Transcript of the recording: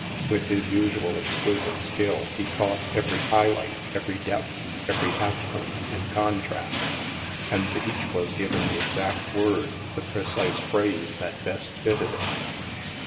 With his usual exquisite skill, he caught every high light, every depth, every half ;feone, and contrast; a,nd to each was given the exact word, the precise phrase, that best fitted it.